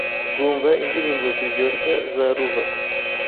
rwumva indirimbo ziryoshya za Luva